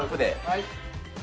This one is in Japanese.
はい。